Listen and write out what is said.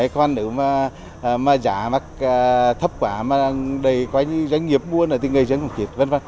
còn nếu mà giá thấp quá mà đầy quá như doanh nghiệp mua thì người dân không chịu